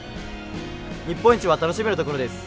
日本一は楽しめるところです。